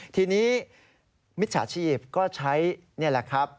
ทีนี้มิจฉาชีพก็ใช้นี่แหละครับ